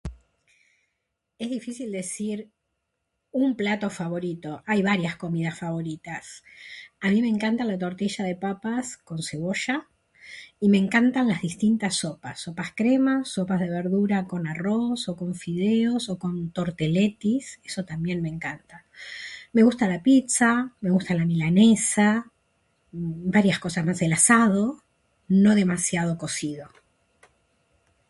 Es difícil decir un plato favorito. Hay varias comidas favoritas. A mí me encanta la tortilla de papas con cebolla y me encantan las distintas sopas: sopas crema, sopas de verdura con arroz, o con fideos o con tortellettis... eso también me encanta. Me gusta la pizza, la gusta la milanesa, varias cosas más... el asado. No demasiado cocido.